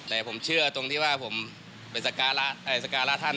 แต่ผมเชื่อตรงที่ว่าผมไปสการะท่าน